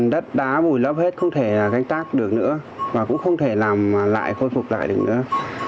đất đá vùi lấp hết không thể canh tác được nữa và cũng không thể làm lại khôi phục lại được nữa